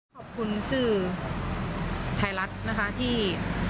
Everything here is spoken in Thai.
ขอบคุณสื่อไทยรัฐนะคะที่